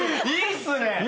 いいっすね！